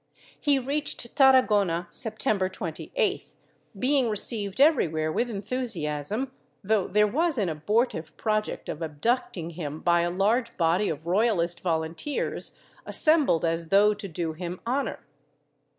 He reached Tarragona September 28th, being received everyv>'here with enthusiasm, though there was an abortive project of abducting him by a large body of Royalist Volunteers assembled as though to do him honor.